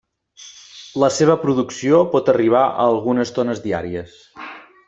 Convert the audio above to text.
La seva producció pot arribar a algunes tones diàries.